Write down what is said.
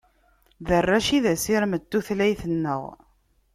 D arrac i d asirem n tutlayt-nneɣ.